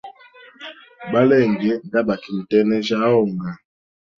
Balenge ndabaki mutegnena onga.